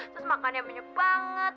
terus makannya banyak banget